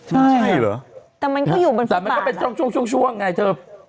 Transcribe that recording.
ใช่เหรอแต่มันก็อยู่บนสัตว์มันก็เป็นช่วงช่วงไงเธอ